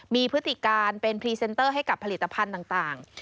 มีพฤติการเป็นพรีเซนเตอร์ให้กับผลิตภัณฑ์ต่าง